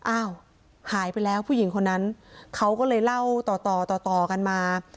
อ้าวหายไปแล้วผู้หญิงคนนั้นเขาก็เลยเล่าต่อต่อต่อต่อกันมา